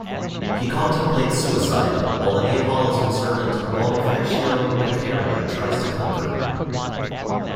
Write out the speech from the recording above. He contemplates suicide, while the Neapolitan servant, Bonifacio Beccheria, tries to comfort him.